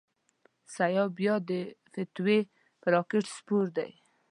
سیاف بیا د فتوی پر راکېټ سپور دی.